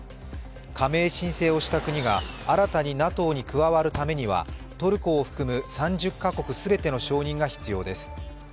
加盟申請をした国が新たにＮＡＴＯに加わるためにはトルコを含む３０カ国全ての承認が必要です。